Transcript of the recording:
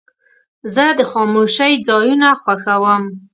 زه د خاموشۍ ځایونه خوښوم.